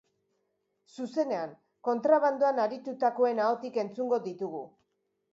Zuzenean, kontrabandoan aritutakoen ahotik entzungo ditugu.